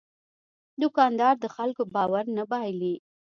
دوکاندار د خلکو باور نه بایلي.